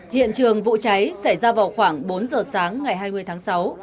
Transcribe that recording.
hiện trường vụ cháy xảy ra vào khoảng bốn giờ sáng ngày hai mươi tháng sáu